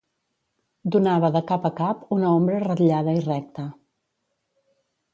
Donava de cap a cap una ombra ratllada i recta